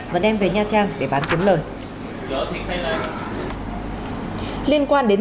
và đem về nha trang để bán kiếm lời